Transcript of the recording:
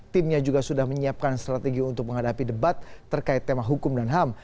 timnya juga sudah menyiapkan strategi untuk menghadapi debat terkait tema hukum dan ham